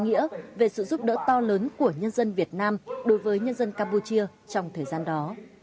nghĩa về sự giúp đỡ to lớn của nhân dân việt nam đối với nhân dân campuchia trong thời gian đó